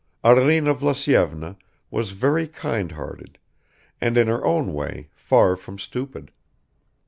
Arina Vlasyevna was very kindhearted and in her own way far from stupid.